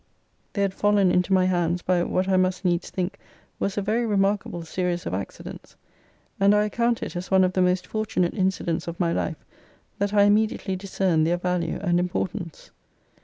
They had fallen into my hands by what I must needs think was a very remarkable series of accidents ; and I account it as one of the most fortunate incidents of my life that I immediately discerned their value and importance.